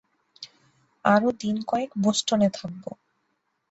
আরও দিন কয়েক বোষ্টনে থাকব।